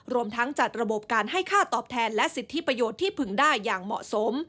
รวมทั้งจัดระบบการให้ค่าตอบแทนและสิทธิประโยชน์ที่พึงได้อย่างเหมาะสม